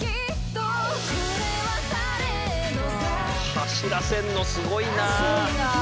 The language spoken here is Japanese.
走らせんのすごいなあ。